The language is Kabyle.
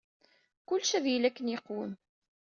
Kullec ad yili akken yeqwem.